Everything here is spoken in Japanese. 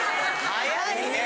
早いね。